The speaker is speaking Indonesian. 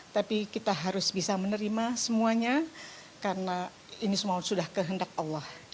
tapi kita harus bisa menerima semuanya karena ini semua sudah kehendak allah